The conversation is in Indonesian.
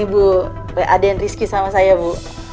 ini bu ada yang riski sama saya bu